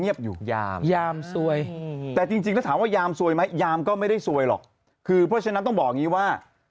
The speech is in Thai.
ยามยามซวยแต่จริงแล้วถามว่ายามซวยไหมยามก็ไม่ได้ซวยหรอกคือเพราะฉะนั้นต้องบอกอย่างนี้ว่า